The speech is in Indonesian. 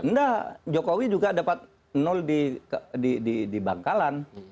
enggak jokowi juga dapat nol di bangkalan